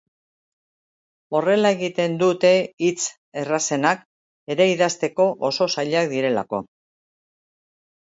Horrela egiten dute hitz errazenak ere idazteko oso zailak direlako.